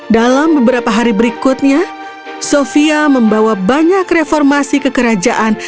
dalam beberapa hari berikutnya sofia membawa banyak reformasi ke kerajaan